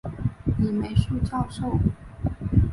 李梅树教授